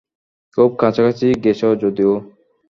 খুব কাছাকাছি গেছ, যদিও।